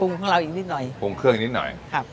ของเราอีกนิดหน่อยปรุงเครื่องนิดหน่อยครับ